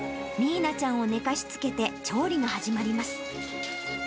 ミーナちゃんを寝かしつけて、調理が始まります。